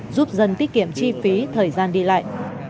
giúp dân tiết kiệm chi phí thời gian đi lại